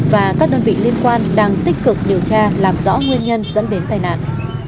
và các đơn vị liên quan đang tích cực điều tra làm rõ nguyên nhân dẫn đến tai nạn